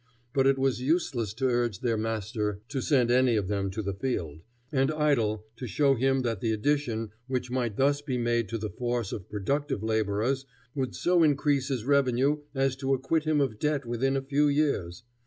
But it was useless to urge their master to send any of them to the field, and idle to show him that the addition which might thus be made to the force of productive laborers would so increase his revenue as to acquit him of debt within a few years.